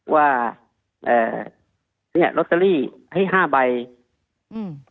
ว่าเอ่อเนี้ยลอตเตอรี่ให้ห้าใบอืม